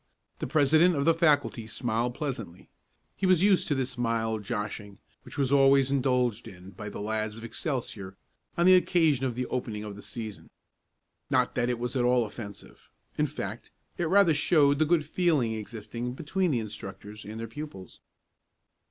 The president of the faculty smiled pleasantly. He was used to this mild "joshing," which was always indulged in by the lads of Excelsior on the occasion of the opening of the season. Not that it was at all offensive; in fact, it rather showed the good feeling existing between the instructors and their pupils.